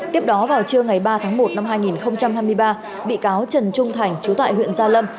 tiếp đó vào trưa ngày ba tháng một năm hai nghìn hai mươi ba bị cáo trần trung thành chú tại huyện gia lâm